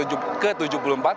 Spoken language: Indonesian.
dan di babak ke delapan